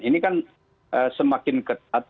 ini kan semakin ketat